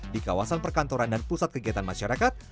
di kawasan perkantoran dan pusat kegiatan masyarakat